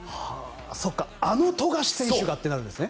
そうかあの富樫選手がってなるんですね。